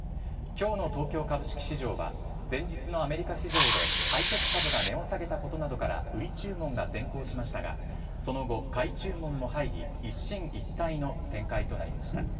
きょうの東京株式市場は、前日のアメリカ市場でハイテク株が値を下げたことなどから売り注文が先行しましたが、その後、買い注文も入り、一進一退の展開となりました。